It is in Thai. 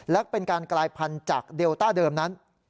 และเป็นการกลายพันธุ์จากเดลต้าเดิมนั้น